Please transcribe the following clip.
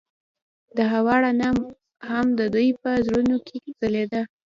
د هوا رڼا هم د دوی په زړونو کې ځلېده.